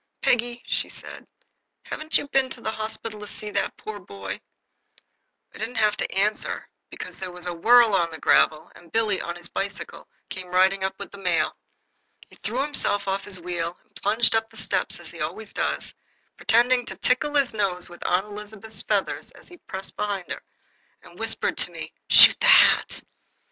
"Peggy," said she, "haven't you been to the hospital to see that poor dear boy?" I didn't have to answer, for there was a whirl on the gravel, and Billy, on his bicycle, came riding up with the mail. He threw himself off his wheel and plunged up the steps as he always does, pretended to tickle his nose with Aunt Elizabeth's feathers as he passed behind her, and whispered to me: "Shoot the hat!"